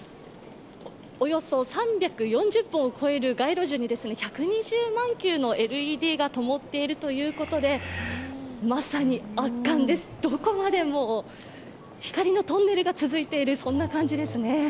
およそ３４０本を超える街路樹に１２０万球のＬＥＤがともっているということでまさに圧巻です、どこまでも光のトンネルが続いている、そんな感じですね。